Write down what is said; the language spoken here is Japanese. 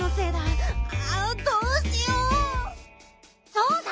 そうだ。